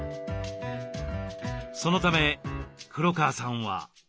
そのため黒川さんは。